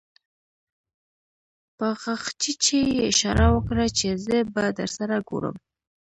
په غاښچيچي يې اشاره وکړه چې زه به درسره ګورم.